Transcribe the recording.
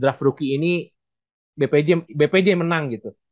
dia masuk ke dalam tim yang menurut gue di draft rookie ini bpj menang gitu